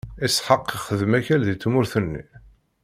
Isḥaq ixdem akal di tmurt-nni.